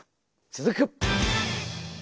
続く！